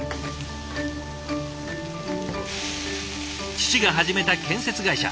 父が始めた建設会社。